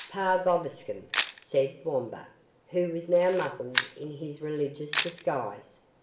"Pax vobiscum," said Wamba, who was now muffled in his religious disguise.